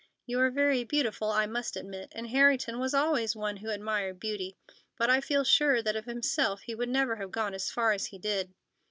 You are very beautiful, I must admit, and Harrington was always one who admired beauty, but I feel sure that of himself he would never have gone as far as he did.